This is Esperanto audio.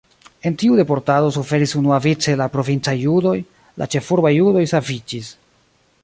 En tiu deportado suferis unuavice la provincaj judoj, la ĉefurbaj judoj saviĝis.